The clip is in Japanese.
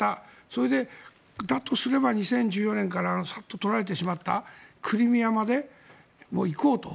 それでだとすれば２０１４年からサッと取られてしまったクリミアまでも行こうと。